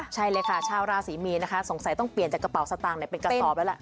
ใช่เลยค่ะชาวราศรีมีนนะคะสงสัยต้องเปลี่ยนจากกระเป๋าสตางค์เป็นกระสอบแล้วล่ะ